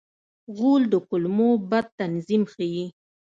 غول د کولمو بد تنظیم ښيي.